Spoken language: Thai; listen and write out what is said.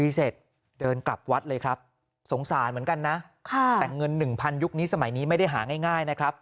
เสร็จเดินกลับวัดเลยครับสงสารเหมือนกันนะแต่เงิน๑๐๐ยุคนี้สมัยนี้ไม่ได้หาง่ายนะครับ